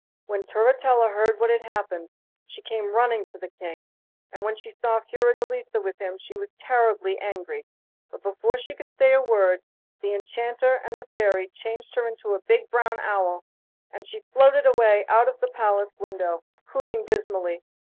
When Turritella heard what had happened she came running to the King, and when she saw Fiordelisa with him she was terribly angry, but before she could say a word the Enchanter and the Fairy changed her into a big brown owl, and she floated away out of one of the palace windows, hooting dismally.